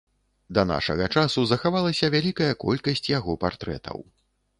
Да нашага часу захавалася вялікая колькасць яго партрэтаў.